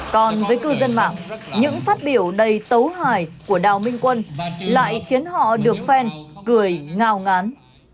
còn với cư dân mạng những phát biểu đầy tấu hài của đào minh quân lại khiến họ được phen cười ngào ngán